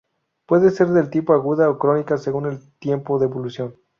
Puede ser de tipo aguda o crónica según el tiempo de evolución.